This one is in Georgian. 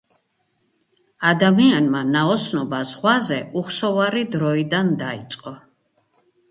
ადამიანმა ნაოსნობა ზღვაზე უხსოვარი დროიდან დაიწყო.